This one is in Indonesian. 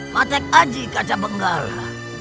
matek anji kacabenggala